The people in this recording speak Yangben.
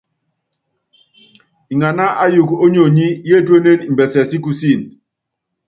Nganá ayuuku ónyonyi, yétuénen imbɛsɛ si kusííni.